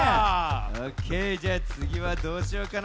オッケーじゃあつぎはどうしようかな。